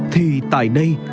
thì tại đây